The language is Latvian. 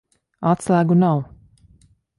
Atslēgu nav.